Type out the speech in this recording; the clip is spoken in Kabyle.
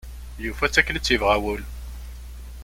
Yufa-tt akken i tt-yebɣa wul.